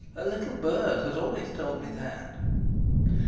A little bird has always told me that."